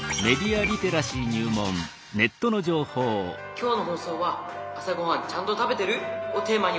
「今日の放送は『朝ごはんちゃんと食べてる？』をテーマにお送りしました。